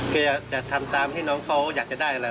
แกจะทำตามให้น้องเขาอยากจะได้อะไร